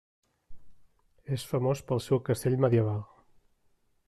És famós pel seu castell medieval.